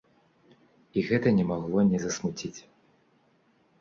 І гэта не магло не засмуціць.